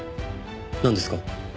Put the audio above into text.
なんですか？